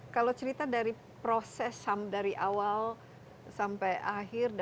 kalau cerita dari proses dari awal sampai akhir